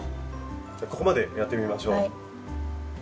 ここまでやってみましょう。